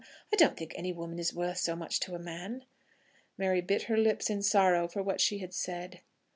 I don't think any woman is worth so much to a man." Mary bit her lips in sorrow for what she had said.